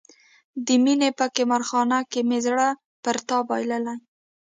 د مینې په قمار خانه کې مې زړه پر تا بایللی.